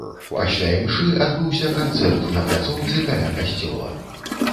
Пасля імшы адбыўся канцэрт на пляцоўцы каля касцёла.